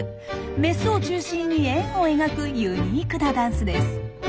メスを中心に円を描くユニークなダンスです。